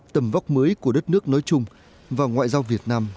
tầm vóc mới của đất nước nói chung và ngoại giao việt nam